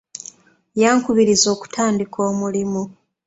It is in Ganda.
Yankubiriza okutandika omulimu.